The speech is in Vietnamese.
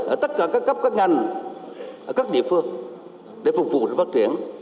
ở tất cả các cấp các ngành ở các địa phương để phục vụ phát triển